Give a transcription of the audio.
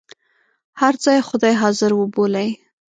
هر ځای خدای حاضر وبولئ.